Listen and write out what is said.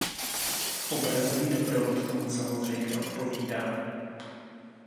Obrazový doprovod tomu samozřejmě odpovídá.